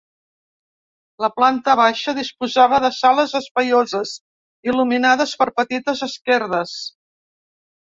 La planta baixa disposava de sales espaioses, il·luminades per petites esquerdes.